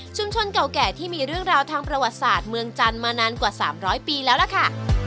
เก่าแก่ที่มีเรื่องราวทางประวัติศาสตร์เมืองจันทร์มานานกว่า๓๐๐ปีแล้วล่ะค่ะ